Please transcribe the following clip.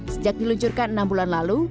sejak diluncurkan enam bulan lalu